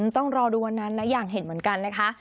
ต้องรอดูวันนั้นนะอย่างเห็นเหมือนกันนะคะ